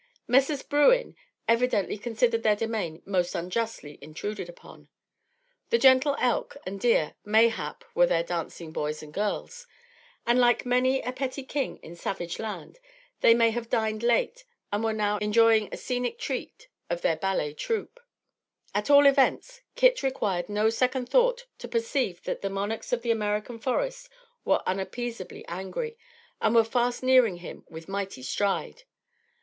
Messrs. Bruin evidently considered their domain most unjustly intruded upon. The gentle elk and deer mayhap were their dancing boys and girls; and, like many a petty king in savage land, they may have dined late and were now enjoying a scenic treat of their ballet troupe. At all events Kit required no second thought to perceive that the monarchs of the American forest were unappeasably angry and were fast nearing him with mighty stride.